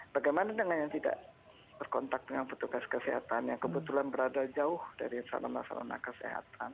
bagaimana dengan yang tidak berkontak dengan petugas kesehatan yang kebetulan berada jauh dari sarana sarana kesehatan